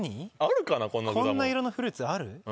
こんな色のフルーツある？